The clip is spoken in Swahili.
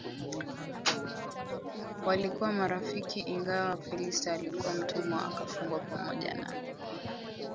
walikuwa marafiki ingawa Felista alikuwa mtumwa Akafungwa pamoja na